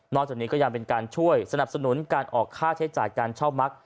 จากนี้ก็ยังเป็นการช่วยสนับสนุนการออกค่าใช้จ่ายการเช่ามัก